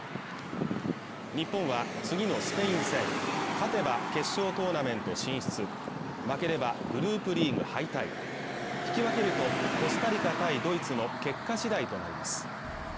日本は次のスペイン戦勝てば決勝トーナメント進出負ければグループリーグ敗退引き分けるとコスタリカ対ドイツの結果次第となります